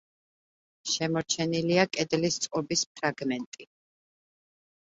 შემორჩენილია კედლის წყობის ფრაგმენტი.